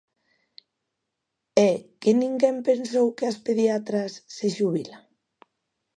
¿É que ninguén pensou que as pediatras se xubilan?